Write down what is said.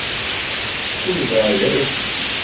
Ur beɛɛed ara fell-i!